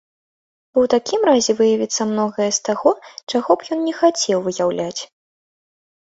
Бо ў такім разе выявіцца многае з таго, чаго б ён не хацеў выяўляць.